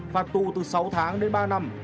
phạt tù từ sáu tháng đến ba năm